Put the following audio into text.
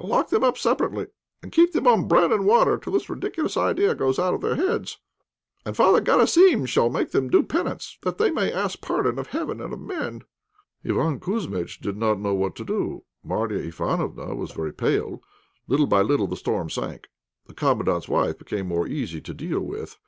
Lock them up separately, and keep them on broad and water till this ridiculous idea goes out of their heads. And Father Garasim shall make them do penance that they may ask pardon of heaven and of men." Iván Kouzmitch did not know what to do. Marya Ivánofna was very pale. Little by little the storm sank. The Commandant's wife became more easy to deal with.